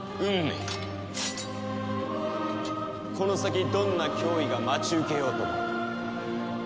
この先どんな脅威が待ち受けようとも。